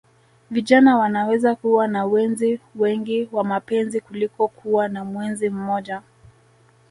Vijana wanaweza kuwa na wenzi wengi wa mapenzi kuliko kuwa na mwenzi mmoja